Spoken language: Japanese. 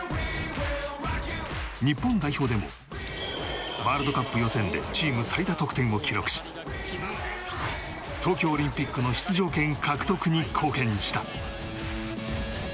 日本代表でもワールドカップ予選でチーム最多得点を記録し東京オリンピックの出場権獲得に貢献した。